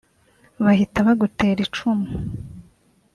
bahita bagutera icumu